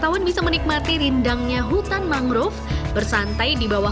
nah disini saya sama teman teman jam lima atau jam berapa sekarang sama keluarga soalnya masih susah susah